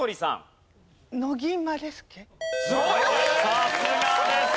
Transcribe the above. さすがです。